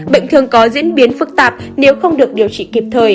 bệnh thường có diễn biến phức tạp nếu không được điều trị kịp thời